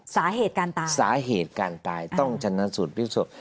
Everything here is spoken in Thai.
สาเหตุการตายสาเหตุการตายต้องชนะสูตรพลิกศพ